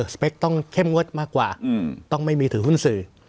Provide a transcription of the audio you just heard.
สเปคต้องเข้มงวดมากกว่าต้องไม่มีถือหุ้นสื่อ